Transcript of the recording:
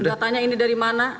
enggak tanya ini dari mana